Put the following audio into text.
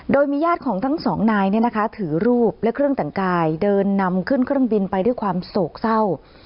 โดยมีญาติของทั้งสองนายถือรูปและเครื่องแต่งกายเดินนำขึ้นเครื่องบินไปด้วยความโศกเศร้า